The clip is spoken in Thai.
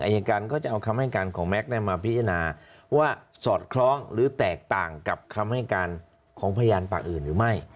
อายการก็จะเอาคำให้การของแม็กซ์มาพิจารณาว่าสอดคล้องหรือแตกต่างกับคำให้การของพยานปากอื่นหรือไม่